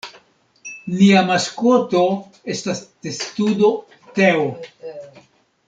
Nia maskoto estas testudo Teo.